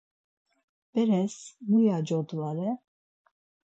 Beres muya codvare?